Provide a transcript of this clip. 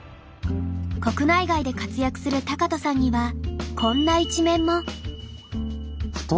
国内外で活躍する学仁さんにはこんな一面も。